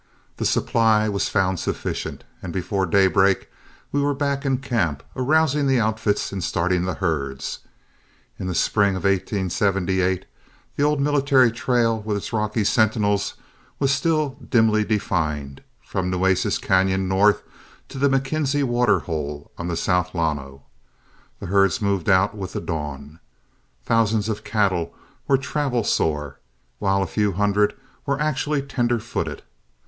The supply was found sufficient, and before daybreak we were back in camp, arousing the outfits and starting the herds. In the spring of 1878 the old military trail, with its rocky sentinels, was still dimly defined from Nueces Cañon north to the McKinzie water hole on the South Llano. The herds moved out with the dawn. Thousands of the cattle were travel sore, while a few hundred were actually tender footed.